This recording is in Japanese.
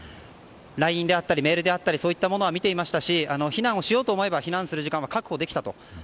ＬＩＮＥであったりメールであったりそういったものは見ていましたし避難をしようと思えば避難する時間は確保できたと。